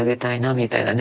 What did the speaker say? みたいなね